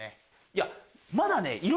いやまだね。